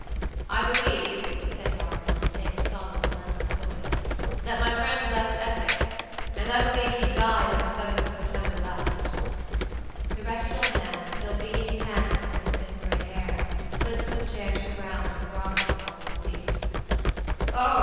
"I believe," said Robert, in the same solemn, relentless voice, "that my friend left Essex; and I believe he died on the 7th of September last." The wretched old man, still beating his hands among his thin gray hair, slid from his chair to the ground, and groveled at Robert's feet. "Oh!